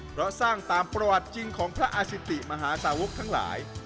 เพราะสร้างตามประวัติจริงของพระอาสิติมหาสาวกทั้งหลาย